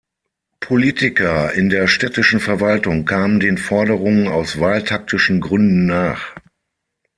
Politiker in der städtischen Verwaltung kamen den Forderungen aus wahltaktischen Gründen nach.